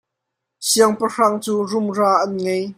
Siangpahrang cu rumra an ngei.